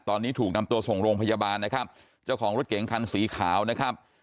ตอนนี้ถูกนำตัวส่งโรงพยาบาลนะครับเจ้าของรถเก๋งคันสีขาวนะครับ